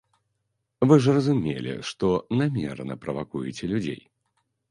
Вы ж разумелі, што намерана правакуеце людзей!